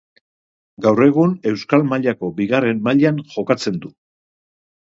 Gaur egun Euskal Mailako bigarren mailan jokatzen du.